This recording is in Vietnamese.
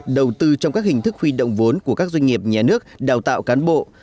đầu tư trong các hình thức huy động vốn của các doanh nghiệp nhà nước đào tạo cán bộ